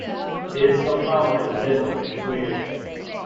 It is still common in Finland Swedish.